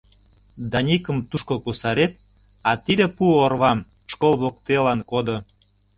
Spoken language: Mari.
Даникым тушко кусарет, а тиде пу орвам школ воктелан кодо.